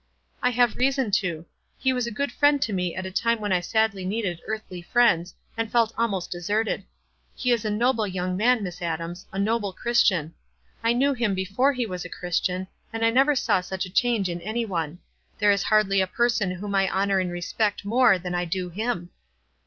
"I have reason to. He was a good friend to me at a time when I sadly needed earthly friends, and felt almost deserted. He is a noble young man, Miss Adams — a noble Christian. I knew him before he was a Christian, and I ne7er saw such a change in any one. There is hardly a person whom I honor and respect more than I do him."